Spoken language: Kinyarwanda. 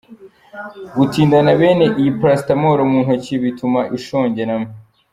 Gutindana bene iyi paracetamol mu ntoki bituma ishongeramo.